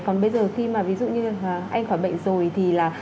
còn bây giờ khi mà ví dụ như anh khỏi bệnh rồi thì là